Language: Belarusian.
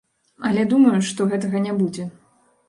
Але думаю, што гэтага не будзе.